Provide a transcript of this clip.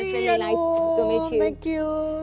terima kasih yadul